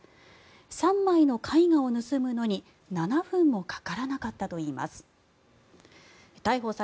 ３枚の絵画を盗むのに７分もかからなかったといいます。